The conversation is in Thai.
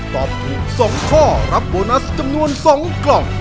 ตอบถูก๒ข้อรับโบนัสจำนวน๒กล่อง